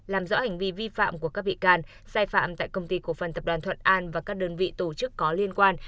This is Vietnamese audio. làm rõ hành vi vi phạm của các bị can sai phạm tại công ty cổ phần tập đoàn thuận an và các đơn vị tổ chức có liên quan